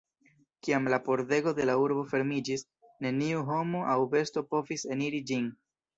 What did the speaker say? Kiam la pordego de la urbo fermiĝis, neniu homo aŭ besto povis eniri ĝin.